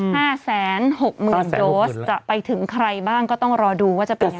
หมดละ๕พฤศจิกา๕๖๐๐โดสจะไปถึงใครบ้างก็ต้องรอดูว่าจะไปอย่างไร